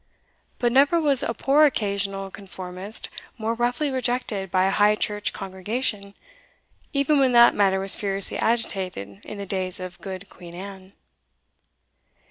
But never was a poor occasional conformist more roughly rejected by a High church congregation, even when that matter was furiously agitated in the days of good Queen Anne.